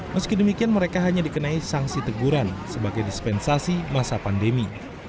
meski demikian mereka hanya dikenai sanksi teguran sebagai dispensasi masa pandemi